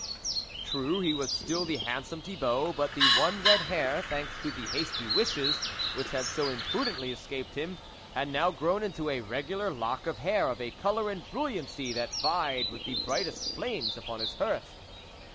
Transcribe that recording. True, he was still the handsome Thibault, but the one red hair, thanks to the hasty wishes which had so imprudently escaped him, had now grown to a regular lock of hair, of colour and brilliancy that vied with the brightest flames upon his hearth.